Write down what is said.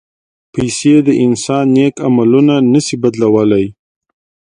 پېسې د انسان نیک عملونه نه شي بدلولی.